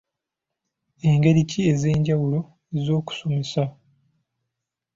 Ngeri ki ez'enjawulo ez'okusomesa?